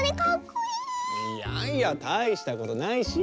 いやいやたいしたことないし！